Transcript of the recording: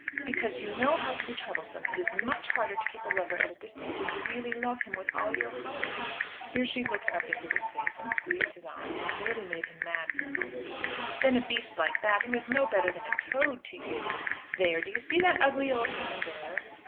"Because you know how to be troublesome. It is much harder to keep a lover at a distance when you really love him with all your heart" here she looked up into his face and squeezed his arm, and nearly made him mad for the moment "than a beast like that, who is no better than a toad to you. There, do you see that ugly old man there?"